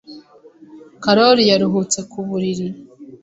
Karoli yaruhutse ku buriri.